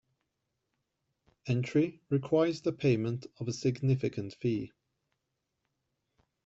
Entry requires the payment of a significant fee.